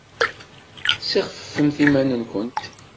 Ssixfefemt iman-nwent!